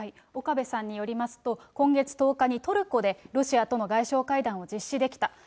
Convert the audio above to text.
岡部さんによりますと、今月１０日にトルコで、ロシアとの外相会談を実施できた。